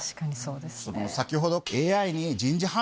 先ほど。